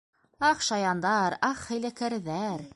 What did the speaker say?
- Ах, шаяндар, ах, хәйләкәрҙәр!